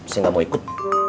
saya gak mau ikut